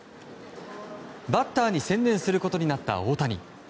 バッターに専念することになった大谷。